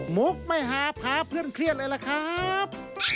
มุกไม่หาพาเพื่อนเครียดเลยล่ะครับ